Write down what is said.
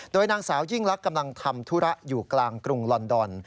โดยนางสาวยิ่งลักษณ์กำลังทำธุระอยู่กลางกรุงลอนดอน